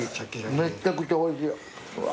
めっちゃくちゃおいしい。